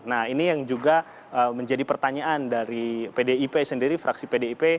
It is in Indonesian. nah ini yang juga menjadi pertanyaan dari pdip sendiri fraksi pdip